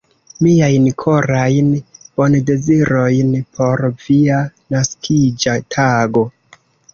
Miajn korajn bondezirojn por via naskiĝa tago!